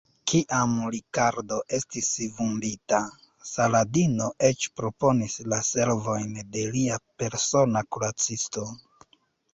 Kiam Rikardo estis vundita, Saladino eĉ proponis la servojn de lia persona kuracisto.